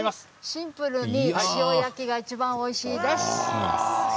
シンプルに塩焼きがいちばんおいしいです。